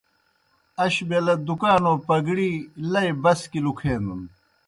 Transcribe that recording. اش بیلہ دُکانو پگڑی لئی بسکیْ لُکھینَن۔